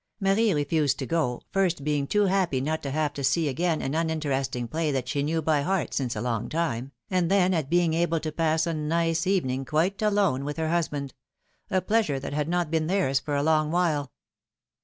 Marie refused to go, first being too happy not to have to see again an uninteresting play that she knew by heart since a long time, and then at being able to pass a nice evening quite alone with her husband — a pleasure that had not been theirs for a long while.